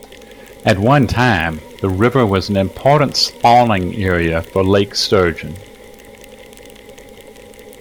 At one time, the river was an important spawning area for lake sturgeon.